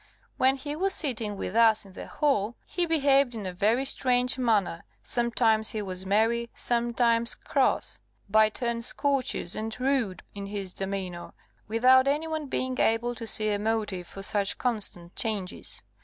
When he was sitting with us in the hall, he behaved in a very strange manner sometimes he was merry, sometimes cross; by turns courteous and rude in his demeanour, without any one being able to see a motive for such constant changes.